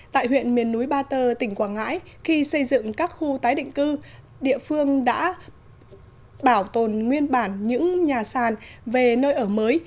tại huyện miền núi ba tơ tỉnh quảng ngãi khi xây dựng các khu tái định cư địa phương đã bảo tồn nguyên bản những nhà sàn về nơi ở mới